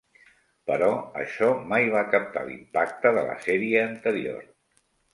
Però això mai va captar l'impacte de la sèrie anterior.